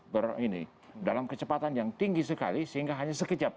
ber ini dalam kecepatan yang tinggi sekali sehingga hanya sekejap